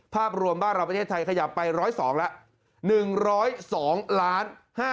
ภาพรวมบ้านเราประเทศไทยขยับไป๑๐๒แล้ว